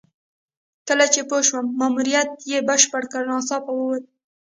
کله چې پوه شو ماموریت یې بشپړ کړی ناڅاپه ووت.